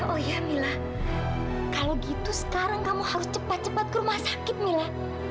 oh ya mila kalau gitu sekarang kamu harus cepat cepat ke rumah sakit mila